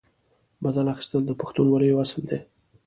بدل اخیستل د پښتونولۍ یو اصل دی.